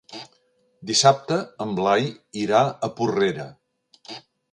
Dissabte en Blai irà a Porrera.